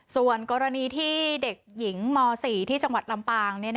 ส่วนกรณีที่เด็กหญิงม๔ที่จังหวัดลำปาง